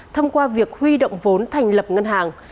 thông qua việc huy động vốn thành lập ngân hàng